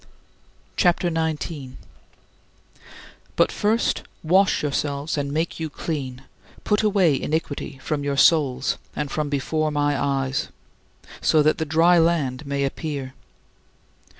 CHAPTER XIX 24. But, first, "wash yourselves and make you clean; put away iniquity from your souls and from before my eyes" so that "the dry land" may appear.